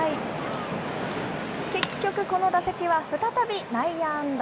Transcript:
結局この打席は再び内野安打。